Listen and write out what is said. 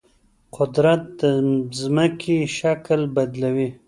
قدرت د ځمکې شکل بدلوي.